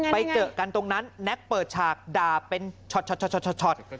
ไปเจอกันตรงนั้นแน็กเปิดฉากด่าเป็นช็อต